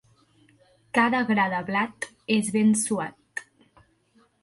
Cada gra de blat és ben suat.